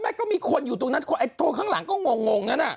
แล้วก็มีคนอยู่ตรงนั้นโทรข้างหลังก็งง